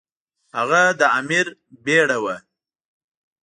هغه د امیر بیړه وه.